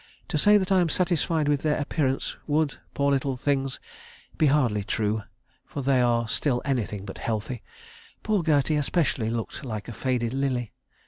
To say that I am satisfied with their appearance would, poor little things, be hardly true, for they are still anything but healthy poor Gertie especially looking like a faded lily.